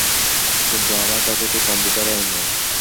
কিন্তু আমার কাছে তো কম্পিউটারই নেই।